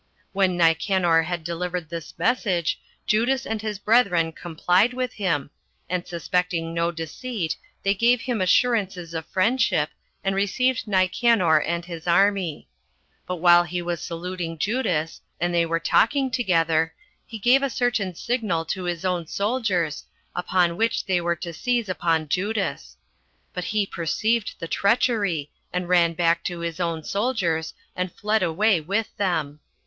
When Nicanor had delivered this message, Judas and his brethren complied with him, and suspecting no deceit, they gave him assurances of friendship, and received Nicanor and his army; but while he was saluting Judas, and they were talking together, he gave a certain signal to his own soldiers, upon which they were to seize upon Judas; but he perceived the treachery, and ran back to his own soldiers, and fled away with them.